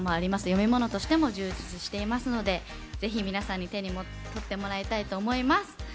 読み物としても充実しているので、ぜひ皆さんの手に取ってもらいたいと思います。